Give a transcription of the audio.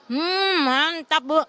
hmm mantap bu